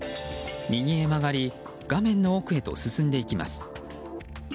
右へ曲がり画面の奥へと進んでいきます。